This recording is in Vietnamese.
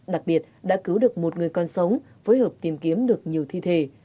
đặc biệt đã cứu được một người con sống phối hợp tìm kiếm được nhiều thi thể